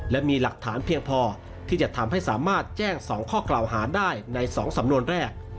และมีหลักฐานเพียงพอที่จะทำให้สามารถแจ้ง๒ข้อกล่าวหาได้ใน๒สำนวนแรก